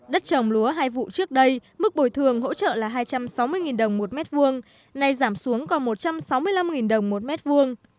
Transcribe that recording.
đất trồng lúa hai vụ trước đây mức bồi thường hỗ trợ là hai trăm sáu mươi đồng một mét vuông nay giảm xuống còn một trăm sáu mươi năm đồng một mét vuông